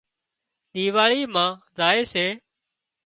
ۮِيواۯي مان زائي سي